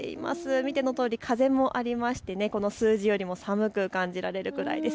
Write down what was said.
見てのとおり風もあってこの数字よりも寒く感じられるぐらいです。